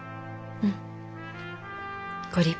うん。